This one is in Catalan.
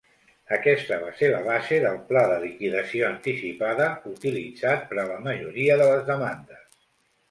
Aquesta va ser la base del pla de liquidació anticipada utilitzat per a la majoria de les demandes.